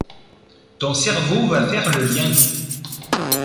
ton cerveau va faire le lien.